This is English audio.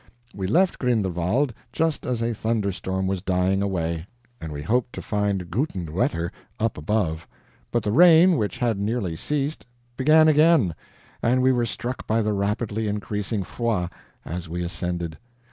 We left Grindelwald just as a thunder storm was dying away, and we hoped to find GUTEN WETTER up above; but the rain, which had nearly ceased, began again, and we were struck by the rapidly increasing FROID as we ascended.